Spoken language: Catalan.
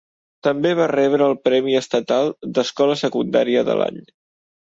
També va rebre el premi estatal d'"Escola secundària de l'any".